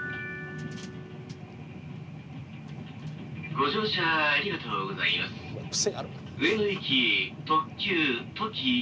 「ご乗車ありがとうございます上野行き特急とき４号です。